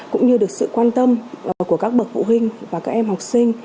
cũng như được sự quan tâm của các bậc phụ huynh và các em học sinh